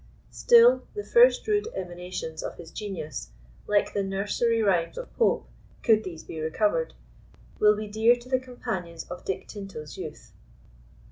Still the first rude emanations of his genius, like the nursery rhymes of Pope, could these be recovered, will be dear to the companions of Dick Tinto's youth.